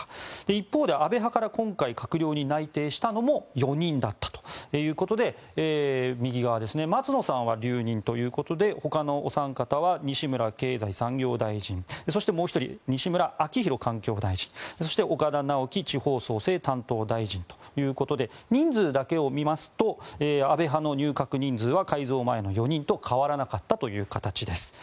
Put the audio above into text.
一方で安倍派から今回、閣僚に内定したのも４人だったということで右側、松野さんは留任ということでほかのお三方は西村経済産業大臣そして、もう１人西村明宏環境大臣そして岡田直樹地方創生担当大臣ということで人数だけを見ますと安倍派の入閣人数は改造前の４人と変わらなかったという形です。